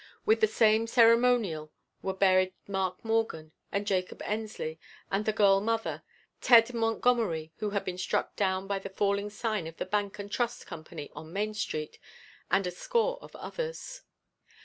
With the same ceremonial were buried Mark Morgan and Jacob Ensley, and the girl mother, Ted Montgomery, who had been struck down by the falling sign of the Bank and Trust Company on Main Street, and a score of others.